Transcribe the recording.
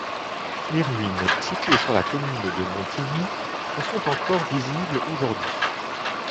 Les ruines, situées sur la commune de Montigny, en sont encore visibles aujourd'hui.